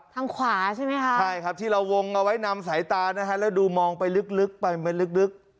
ทางขวาใช่ไหมคะใช่ครับที่เราวงเอาไว้นำสายตานะฮะแล้วดูมองไปลึกไปมันลึก